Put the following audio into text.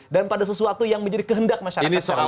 dan pada sesuatu yang menjadi kehendak masyarakat yang luas